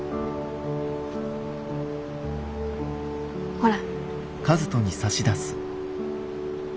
ほら。